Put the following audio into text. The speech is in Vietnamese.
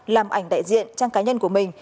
làm ảnh đại diện trang cá nhân của mình